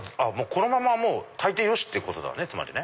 このまま炊いてよしってことだねつまり。